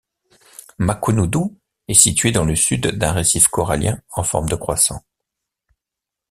Makunudhoo est située dans le Sud d'un récif corallien en forme de croissant.